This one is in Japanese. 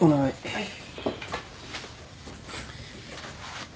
はい。